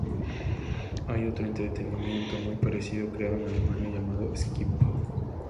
Hay otro entretenimiento muy parecido creado en Alemania, llamado "Skip-Bo".